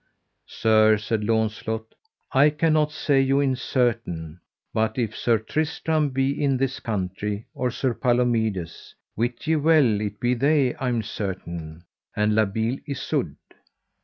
Sir, said Launcelot, I cannot say you in certain, but if Sir Tristram be in this country, or Sir Palomides, wit ye well it be they m certain, and La Beale Isoud.